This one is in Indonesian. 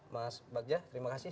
mas bagja terima kasih